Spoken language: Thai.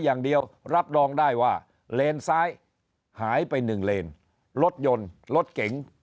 อย่างเดียวรับรองได้ว่าเลนซ้ายหายไปหนึ่งเลนรถยนต์รถเก๋ง